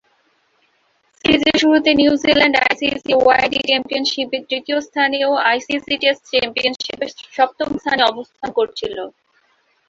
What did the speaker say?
সিরিজের শুরুতে New Zealand ICC ODI চ্যাম্পিয়নশীপে তৃতীয় স্থানে ও আইসিসি টেস্ট চ্যাম্পিয়নশীপে সপ্তম স্থানে অবস্থান করছিল।